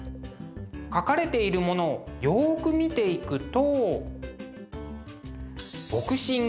描かれているものをよく見ていくと。